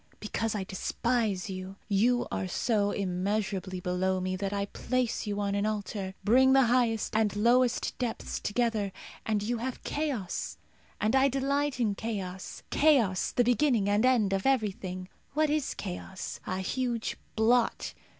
Because I despise you. You are so immeasurably below me that I place you on an altar. Bring the highest and lowest depths together, and you have Chaos, and I delight in Chaos Chaos, the beginning and end of everything. What is Chaos? A huge blot.